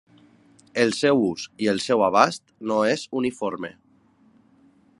El seu ús i el seu abast no és uniforme.